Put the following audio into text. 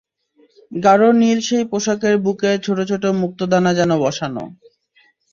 গাঢ় নীল সেই পোশাকের বুকে ছোট ছোট মুক্তো দানা যেন বসানো।